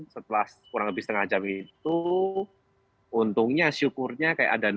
terus perlahan setelah kurang lebih setengah jam itu untungnya syukurnya kayak ada enam orang